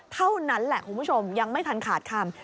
เท่านั้นแหละคุณผู้ชมยังไม่ทันขาดคำ